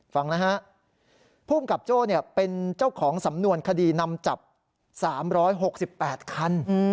ฟังนะฮะภูมิกับโจ้เป็นเจ้าของสำนวนคดีนำจับ๓๖๘คัน